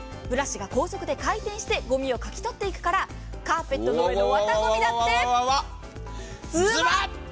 ブラシが高速で回転して、ごみをかき取っていくからカーペットの上のわたごみだってズバッ！！